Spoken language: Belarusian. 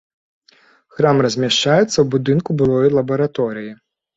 Храм размяшчаецца ў будынку былой лабараторыі.